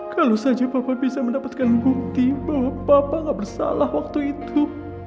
kalau saja bapak bisa mendapatkan bukti bahwa bapak gak bersalah waktu itu